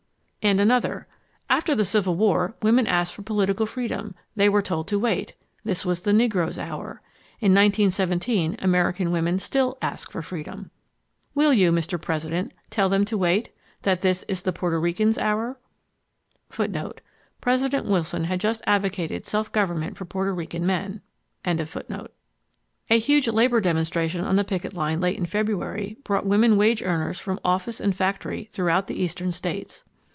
and another: AFTER THE CIVIL WAR, WOMEN ASKED FOR POLITICAL FREEDOM. THEY WERE TOLD TO WAIT—THIS WAS THE NEGRO'S HOUR. IN 1917 AMERICAN WOMEN STILL ASK FOR FREEDOM. WILL YOU, MR. PRESIDENT, TELL THEM TO WAIT THAT THIS IS THE PORTO RICANS HOUR? President Wilson had just advocated self government for Porto Rican men. A huge labor demonstration on the picket line late in February brought women wage earners from office and factory throughout the Eastern States.